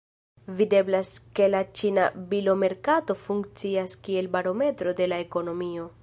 Videblas ke la ĉina bilomerkato funkcias kiel barometro de la ekonomio.